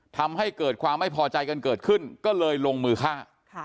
ทำให้เกิดความไม่พอใจกันเกิดขึ้นก็เลยลงมือฆ่า